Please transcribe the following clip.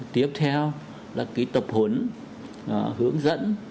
tiếp theo là cái tập huấn hướng dẫn